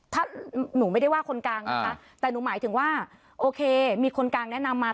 ถ้าหนูไม่ได้ว่าคนกลางนะคะแต่หนูหมายถึงว่าโอเคมีคนกลางแนะนำมา